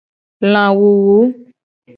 Lawuwu.